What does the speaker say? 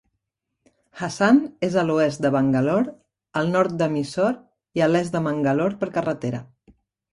Hassan és a l'oest de Bangalore, al nord de Mysore i a l'est de Mangalore per carretera.